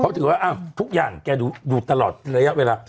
เพราะถือว่าทุกอย่างแกดูตลอดระยะเวลา